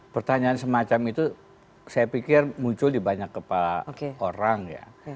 pertanyaan semacam itu saya pikir muncul di banyak kepala orang ya